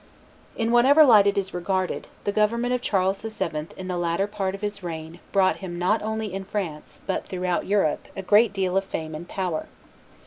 In whatever light it is regarded, the government of Charles VII. in the latter part of his reign brought him not only in France, but throughout Europe, a great deal of fame and power.